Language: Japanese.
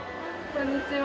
こんにちは。